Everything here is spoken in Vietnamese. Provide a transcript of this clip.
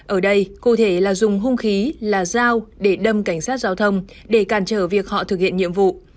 ở đây cụ thể là dùng hung khí là dao để đâm cảnh sát giao thông để cản trở việc họ thực hiện nhiệm vụ